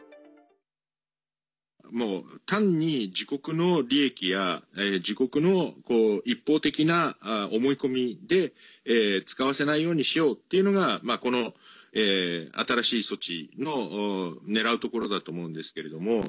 もう単に自国の利益や自国の一方的な思い込みで使わせないようにしようというのがこの新しい措置のねらうところだと思うんですけれども。